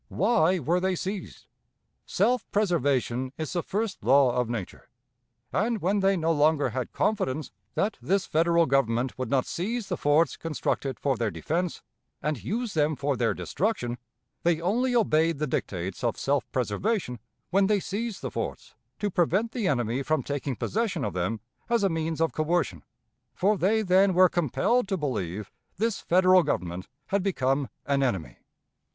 Why were they seized? Self preservation is the first law of nature; and when they no longer had confidence that this Federal Government would not seize the forts constructed for their defense, and use them for their destruction, they only obeyed the dictates of self preservation when they seized the forts to prevent the enemy from taking possession of them as a means of coercion, for they then were compelled to believe this Federal Government had become an enemy.